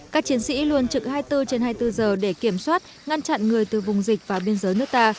các chiến sĩ luôn trực hai mươi bốn trên hai mươi bốn giờ để kiểm soát ngăn chặn người từ vùng dịch vào biên giới nước ta